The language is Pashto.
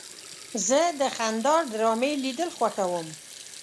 زه د خندا ډرامې لیدل خوښوم.